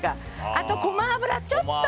あと、ゴマ油をちょっと。